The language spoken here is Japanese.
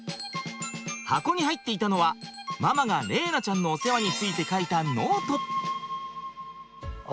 箱に入っていたのはママが玲菜ちゃんのお世話について書いたノート。